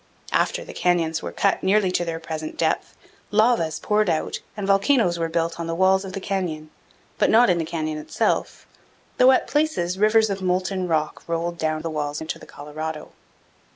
After the canyons were cut nearly to their present depth, 390 CANYONS OF THE COLORADO. lavas poured out and volcanoes were built on the walls of the canyon, but not in the canyon itself, though at places rivers of molten rock rolled down the walls into the Colorado.